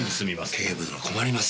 警部殿困ります。